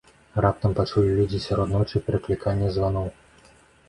Раптам пачулі людзі сярод ночы перакліканне званоў.